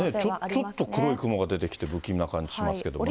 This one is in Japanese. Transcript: ちょっと黒い雲が出てきて不気味な感じしますけどね。